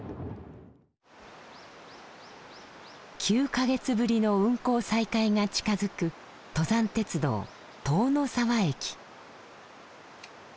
９か月ぶりの運行再開が近づく登山鉄道塔ノ沢駅。